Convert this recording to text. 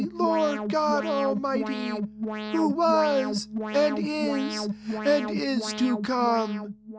Lord God Almighty ; who was, and is, and is to come."